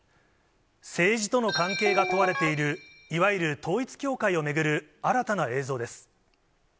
政治との関係が問われている、いわゆる統一教会を巡る新たな映像です。